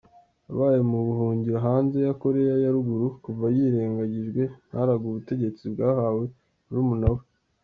Yabaye mu buhungiro hanze ya Korea ya ruguru kuva yirengagijwe ntaragwe ubutegetsi, bwahawe murumunawe.